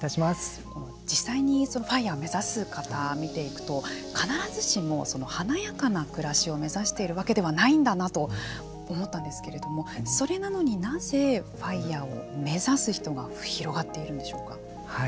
実際にＦＩＲＥを目指す方を見ていくと、必ずしも華やかな暮らしを目指しているわけではないんだなと思ったんですけれどもそれなのに、なぜＦＩＲＥを目指す人が広がっているんでしょうか。